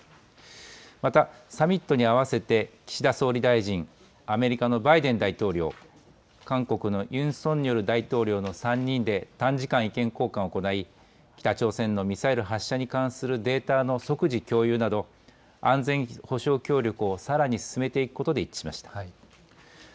また、サミットに合わせて、岸田総理大臣、アメリカのバイデン大統領、韓国のユン・ソンニョル大統領の３人で短時間意見交換を行い、北朝鮮のミサイル発射に関するデータの即時共有など、安全保障協力をさらに進めていくことで一致しました。